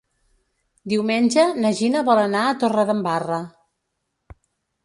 Diumenge na Gina vol anar a Torredembarra.